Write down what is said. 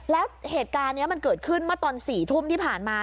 แล้วเหตุการณ์นี้มันเกิดขึ้นเมื่อตอน๔ทุ่มที่ผ่านมา